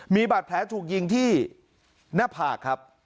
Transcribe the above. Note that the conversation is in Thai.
มีบาดแผลถูกยิงที่หน้าผากครับ